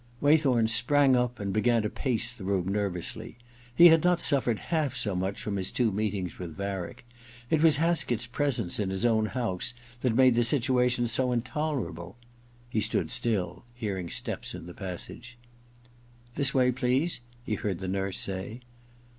Waythorn sprang up and began to pace the Ill THE OTHER TWO 59 room nervously. He had not suffered half as much from his two meetings with Varick. It was Haskett's presence in his own house that made the situation so intolerable. He stood still, hearing steps in the passage. * This way, please,* he heard the nurse say.